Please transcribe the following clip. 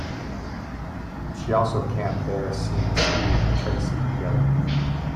She also can't bear seeing Steve and Tracy together.